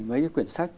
mấy cái quyển sách